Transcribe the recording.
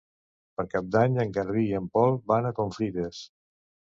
Per Cap d'Any en Garbí i en Pol van a Confrides.